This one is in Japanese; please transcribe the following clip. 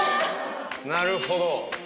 なるほど。